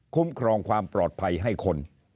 ครองความปลอดภัยให้คน